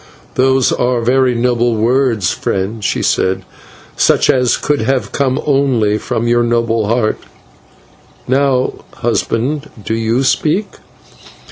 "Those are very noble words, friend," she said, "such as could have come only from your noble heart. Now, husband, do you speak?"